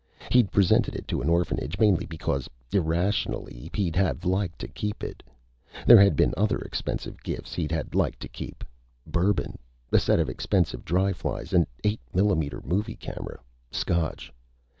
He'd presented it to an orphanage mainly because, irrationally, he'd have liked to keep it. There had been other expensive gifts he'd have liked to keep. Bourbon. A set of expensive dry flies. An eight millimeter movie camera. Scotch.